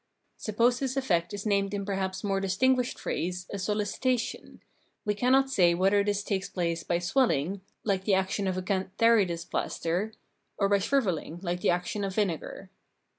Suppose this effect is named in perhaps more distinguished phrase a " solicitation," we cannot say whether this takes place by swelling, hke the action of a cantharides plaster, or by shrivelling hke the action of vinegar.